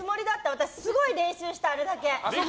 私、すごい練習した、あれだけ。